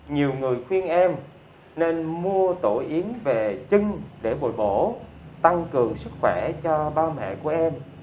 nhiều người khuyên em nên mua tổ yến về chân để bồi bổ tăng cường sức khỏe cho ba mẹ của em